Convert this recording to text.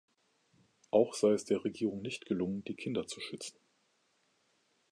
Auch sei es der Regierung nicht gelungen, die Kinder zu schützen.